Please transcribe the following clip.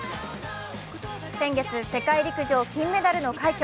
先月、世界陸上金メダルの快挙。